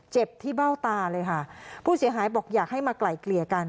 เจ็บที่เบ้าตาเลยค่ะผู้เสียหายบอกอยากให้มาไกลเกลี่ยกัน